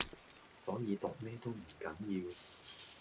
所以讀咩都唔緊要⠀